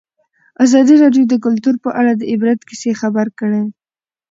ازادي راډیو د کلتور په اړه د عبرت کیسې خبر کړي.